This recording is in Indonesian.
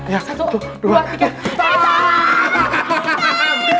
satu dua tiga